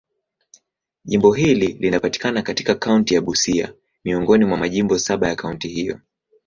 Jimbo hili linapatikana katika kaunti ya Busia, miongoni mwa majimbo saba ya kaunti hiyo.